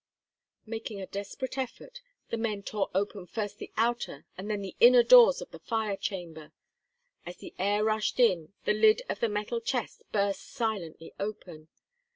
Making a desperate effort, the men tore open first the outer and then the inner doors of the fire chamber. As the air rushed in, the lid of the metal chest burst silently open.